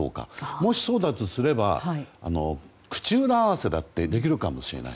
もしそうだとすれば口裏合わせだってできるかもしれない。